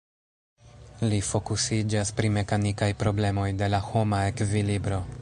Li fokusiĝas pri mekanikaj problemoj de la homa ekvilibro.